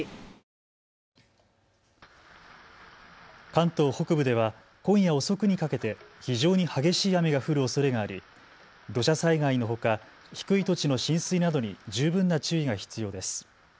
関東北部では今夜遅くにかけて非常に激しい雨が降るおそれがあり土砂災害のほか低い土地の浸水などに十分な注意が必要です。